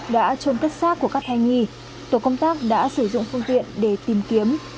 đã trôn cất xác của các thai nghi tổ công tác đã sử dụng phương tiện để tìm kiếm